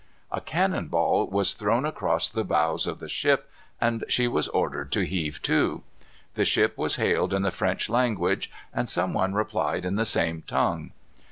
A cannon ball was thrown across the bows of the ship, and she was ordered to heave to. The ship was hailed in the French language, and some one replied in the same tongue.